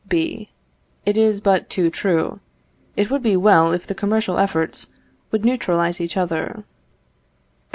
B. It is but too true. It would be well if the commercial efforts would neutralize each other.